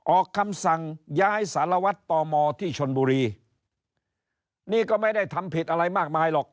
ออกคำสั่งย้ายสารวัตรต่อมอที่ชนบุรีนี่ก็ไม่ได้ทำผิดอะไรมากมายหรอก